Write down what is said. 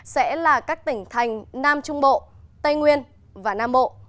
sẽ là các tỉnh thành nam trung bộ tây nguyên và nam bộ